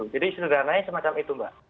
jadi sebenarnya semacam itu mbak